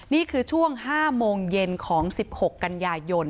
นี่คือช่วง๕โมงเย็นของ๑๖กันยายน